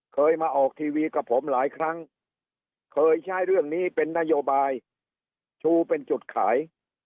เคยมาออกทีวีกับผมหลายครั้งเคยใช้เรื่องนี้เป็นนโยบายชูเป็นจุดขาย